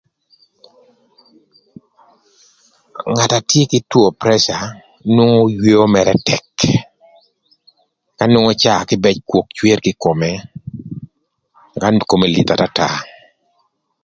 Ngat na tye kï two preca nwongo yweo mërë tëk ëka nwongo caa kïbëc kwok cwer kï kome ëka kome lyeth atata.